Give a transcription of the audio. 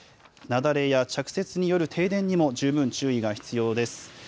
雪崩や着雪による停電にも十分注意が必要です。